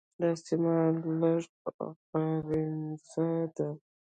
دا سیمه لږه غرنیزه ده.